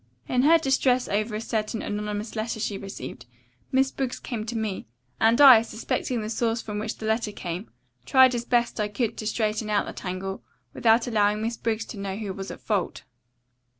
In her distress over a certain anonymous letter she received, Miss Briggs came to me, and I, suspecting the source from which the letter came, tried as best I could to straighten out the tangle, without allowing Miss Briggs to know who was at fault.